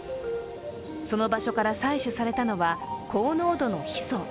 その場所から採取されたのは高濃度のヒ素。